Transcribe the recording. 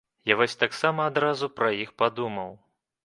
Я вось таксама адразу пра іх падумаў.